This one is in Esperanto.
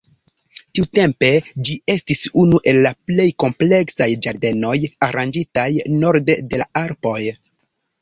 Tiutempe, ĝi estis unu el la plej kompleksaj ĝardenoj aranĝitaj norde de la Alpoj.